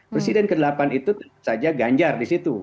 presiden ke delapan itu tentu saja ganjar di situ